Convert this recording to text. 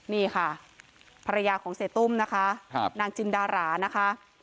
นี่ค่ะภรรยาของเสียตุ้มนะคะนางจินดารานะคะ